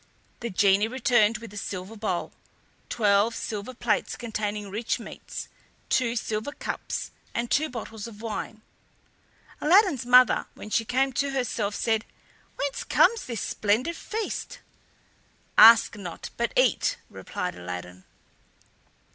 The genie returned with a silver bowl, twelve silver plates containing rich meats, two silver cups, and two bottles of wine. Aladdin's mother, when she came to herself, said: "Whence comes this splendid feast?" "Ask not, but eat," replied Aladdin.